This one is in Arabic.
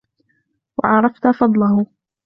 وَعَرَفْتَ فَضْلَهُ